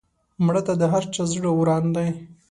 مړه ته د هر چا زړه وران دی